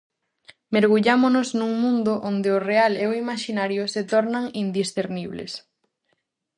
Mergullámonos nun mundo onde o real e o imaxinario se tornan indiscernibles.